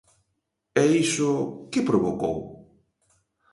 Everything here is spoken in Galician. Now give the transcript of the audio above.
E iso, ¿que provocou?